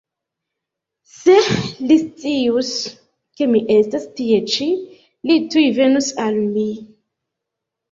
Se li scius, ke mi estas tie ĉi, li tuj venus al mi.